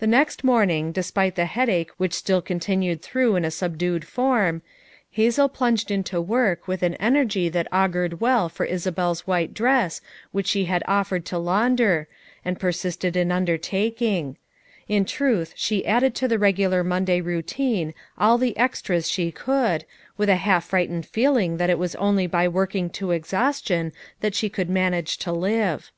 The next morning, despite the headache which alill continued though in a aubdued form, Hazel plunged into work with an energy that augured well for (Hahol'a white draw which who had offered to launder, and po raw led in undertaking; in truth alio added to the regular Monday routine all the ex Iran alio could, with a half frightened fooling that it wan oidy by working to exhaustion that alio could manage io live.